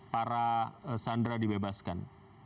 para sandra dibebaskan